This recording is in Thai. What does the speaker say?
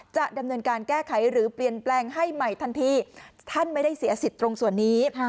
จะดำเนินการแก้ไขหรือเปลี่ยนแปลงให้ใหม่ทันทีท่านไม่ได้เสียสิทธิ์ตรงส่วนนี้